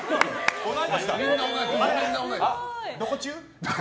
どこ中？